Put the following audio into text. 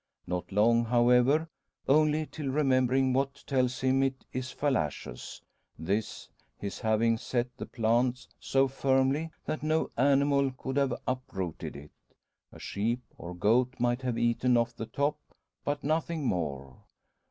Not long, however; only till remembering what tells him it is fallacious; this, his having set the plant so firmly that no animal could have uprooted it. A sheep or goat might have eaten off the top, but nothing more.